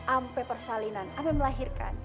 ampe persalinan ampe melahirkan